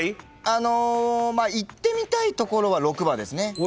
いってみたいところは６番ですね。